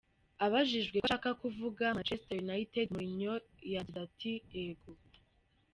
Abajijwe ko ashaka kuvuga Manchester United, Mourinho yagize ati: "Ego.